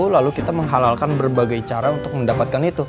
lalu kita menghalalkan berbagai cara untuk mendapatkan itu